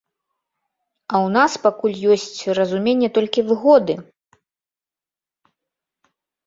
А ў нас пакуль ёсць разуменне толькі выгоды.